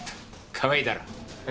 かわいいだろ。